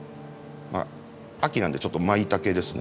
秋なんでちょっとマイタケですね。